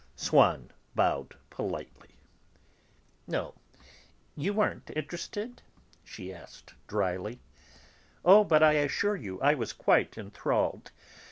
Swann bowed politely. "No? You weren't interested?" she asked dryly. "Oh, but I assure you, I was quite enthralled.